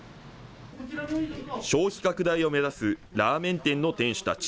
消費拡大を目指すラーメン店の店主たち。